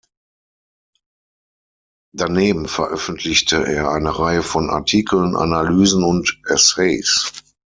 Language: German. Daneben veröffentlichte er eine Reihe von Artikeln, Analysen und Essays.